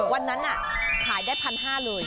วันนั้นขายได้๑๕๐๐เลย